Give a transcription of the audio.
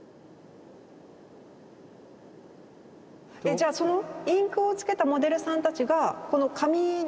じゃあインクをつけたモデルさんたちがこの紙の。